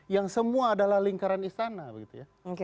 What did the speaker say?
yang semua adalah lingkaran istana begitu ya